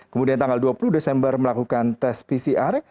kemudian tanggal dua puluh desember melakukan tes pcr